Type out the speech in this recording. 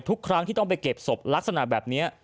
ทุกครั้งที่ต้องไปเก็บศพลักษณะแบบนี้